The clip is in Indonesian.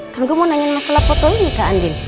kan gua mau nanya masalah foto ini kak andien